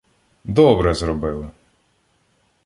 — Добре зробили!